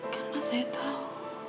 karena saya tau